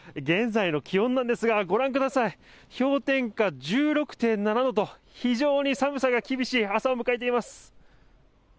現在の気温なんですが、ご覧ください、氷点下１６．７度と、非常に寒さが厳しい朝を迎えています。